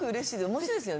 面白いですよね。